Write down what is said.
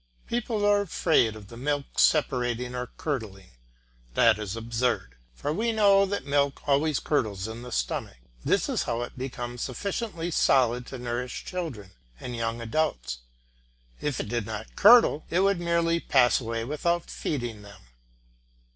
People are afraid of the milk separating or curdling; that is absurd, for we know that milk always curdles in the stomach. This is how it becomes sufficiently solid to nourish children and young animals; if it did not curdle it would merely pass away without feeding them.